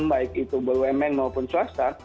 baik itu bumn maupun swasta